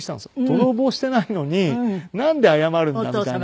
泥棒していないのになんで謝るんだみたいな。